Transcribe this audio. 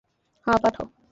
হ্যাঁ, পাঠাও।